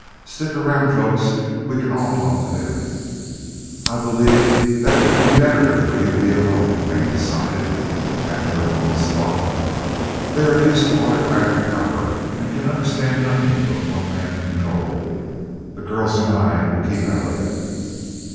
"Stick around, folks. We can all talk to them." "I believe that it would be better for you to be alone," Crane decided, after a moment's thought. "They are used to autocratic power, and can understand nothing but one man control. The girls and I will keep out of it."